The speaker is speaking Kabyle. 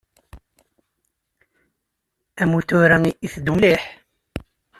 Amutur-a itteddu mliḥ.